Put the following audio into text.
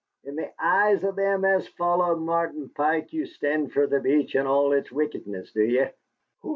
In the eyes o' them as follow Martin Pike ye stand fer the Beach and all its wickedness, do ye?